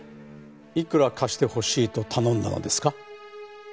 いくら貸してほしいと頼んだのですか？